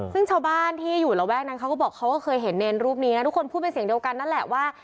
ซึ่งชาวบ้านที่อยู่ระแวกนั้นเขาก็บอกเขาก็เคยเห็นเนรรูปนี้นะทุกคนพูดเป็นเสียงเดียวกันนั่นแหละว่า